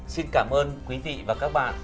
xin cảm ơn quý vị và các bạn